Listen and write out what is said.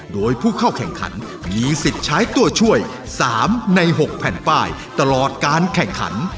โดยผู้เข้าแข่งขันมีสิทธิ์ใช้ตัวช่วย๓ใน๖แผ่นป้ายตลอดการแข่งขัน